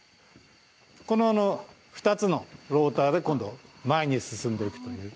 この２つのローターで今度前に進んでいくという。